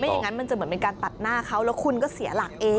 อย่างนั้นมันจะเหมือนเป็นการตัดหน้าเขาแล้วคุณก็เสียหลักเอง